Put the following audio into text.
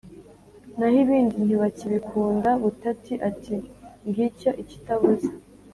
naho ibindi ntibakibikunda. Butati ati: “Ngicyo ikitabuze”.